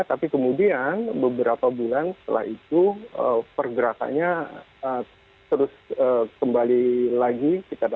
tapi kemudian beberapa bulan setelah itu pergerakannya terus kembali lagi